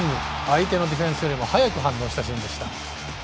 相手のディフェンスよりも早く反応したシーンでした。